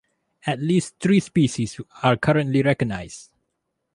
At least three species are currently recognized.